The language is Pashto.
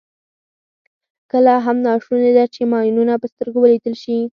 کله هم ناشونې ده چې ماینونه په سترګو ولیدل شي.